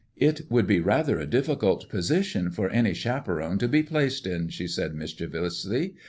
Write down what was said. "It would be rather a difficult position for any chaperone to be placed in," she said mischievously.